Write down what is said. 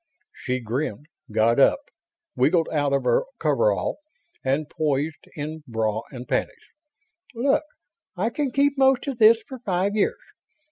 She grinned, got up, wriggled out of her coverall, and posed in bra and panties. "Look. I can keep most of this for five years.